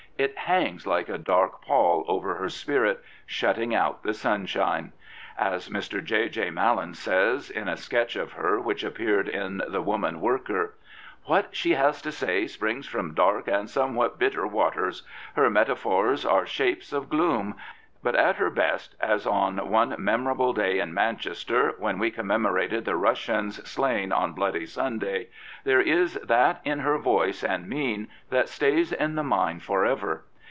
It hangs like a dark pall over her spirit, shutting out the sunshine. As Mr. J. J. Mallon says in a sketch of her which appeared in the Woman Worker : What she has to say springs from dark and somewhat bitter waters. Her metaphors are shapes of gloom. But at her best, as on one memorable day in Manchester, when we commemorated the Russians slain on Bloody Sunday, there is that in her voice and mien that stays in the mind for ever.